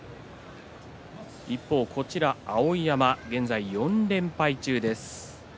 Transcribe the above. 一方、碧山、現在４連敗中です。